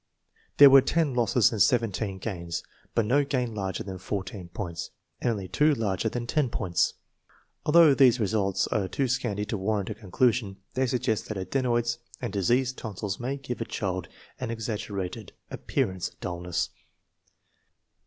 There were ten losses and seventeen gains, but no gain larger than fourteen points, and only two larger than ten points. Although these results are too scanty to war rant a conclusion, they suggest that adenoids and diseased tonsils may give a child an exaggerated ap pearance of dullness.